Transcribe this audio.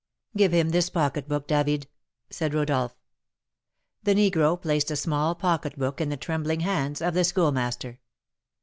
"Give him this pocketbook, David," said Rodolph. The negro placed a small pocketbook in the trembling hands of the Schoolmaster.